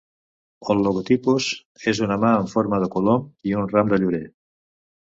El logotipus és una mà en forma de colom i un ram de llorer.